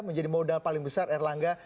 menjadi modal paling besar erlangga